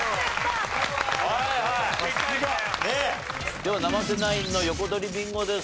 では生瀬ナインの横取りビンゴです。